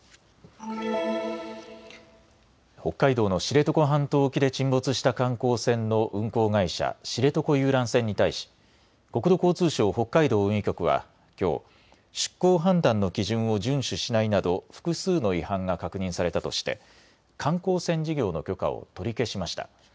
北海道の知床半島沖で沈没した観光船の運航会社、知床遊覧船に対し国土交通省北海道運輸局はきょう出航判断の基準を順守しないなど複数の違反が確認されたとして観光船事業の許可を取り消しました。